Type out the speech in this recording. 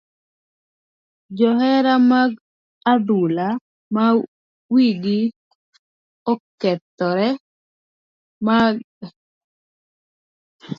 Johera mag adhula ma wigi okethore mogik gin jomage?